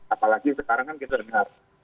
apalagi sekarang kan kita dengar